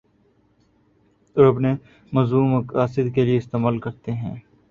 اور اپنے مذموم مقاصد کے لیے استعمال کرتے ہیں